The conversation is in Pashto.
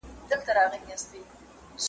له بل لوري بله مینه سم راوړلای .